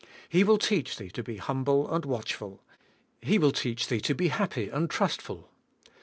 He will teach thee to be humble and watchful. He will teach thee to be happy and trustful.